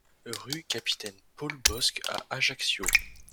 Rue Capitaine Paul Bosc à Ajaccio